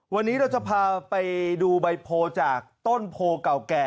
วันนี้เราจะพาไปดูใบโพจากต้นโพเก่าแก่